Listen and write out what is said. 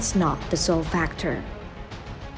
namun itu bukan faktor utama